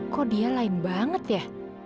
kok dia lain banget ya